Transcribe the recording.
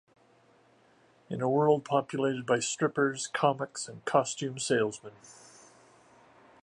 In a world populated by strippers, comics and costume salesman.